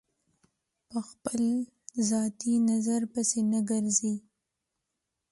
په خپل ذاتي نظر پسې نه ګرځي.